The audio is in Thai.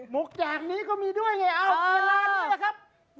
มุกแจกนี้ก็มีด้วยไงเอาลาดด้วยนะครับ